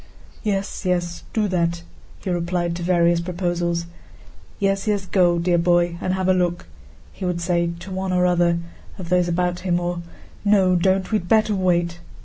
"Yes, yes, do that," he replied to various proposals. "Yes, yes: go, dear boy, and have a look," he would say to one or another of those about him; or, "No, don't, we'd better wait!"